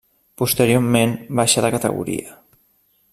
Posteriorment baixà de categoria.